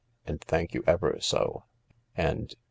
And thank you ever so. And